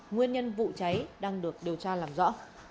nguyên nhân vụ cháy đang được điều tra làm rõ